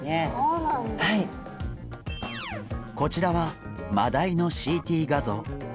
こちらはマダイのＣＴ画像。